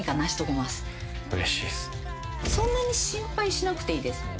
そんなに心配しなくていいです。